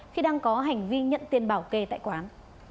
khi đang có hành vi nhận tiền bảo kê tại quán